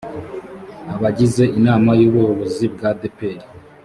abagize inama y’ ubuyobozi bwa adepr